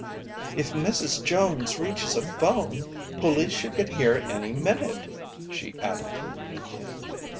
"If Mrs. Jones reaches a phone, police should get here any minute!" she added.